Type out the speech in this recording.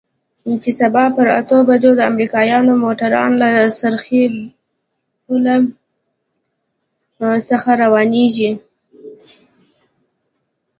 چې سبا پر اتو بجو د امريکايانو موټران له څرخي پله څخه روانېږي.